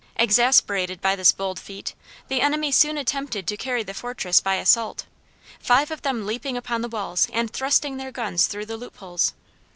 Exasperated by this bold feat, the enemy soon attempted to carry the fortress by assault; five of them leaping upon the walls and thrusting their guns through the loop holes.